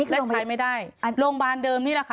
และใช้ไม่ได้โรงพยาบาลเดิมนี่แหละค่ะ